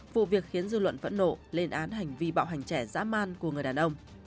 vụ việc khiến dư luận phẫn nộ lên án hành vi bạo hành trẻ dã man của người đàn ông